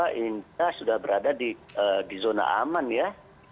kita sudah berada di zona aman ya